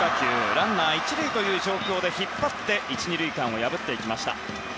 ランナー１塁という状況で引っ張って１、２塁間を破っていきました。